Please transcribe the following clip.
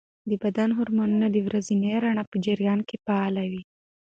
د بدن هارمونونه د ورځني رڼا په جریان کې فعاله وي.